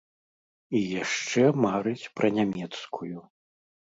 І яшчэ марыць пра нямецкую.